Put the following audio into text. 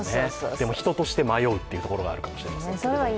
でも、人として迷うというところがあるかもしれないです。